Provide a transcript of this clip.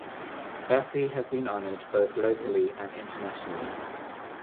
Bassey has been honoured both locally and internationally.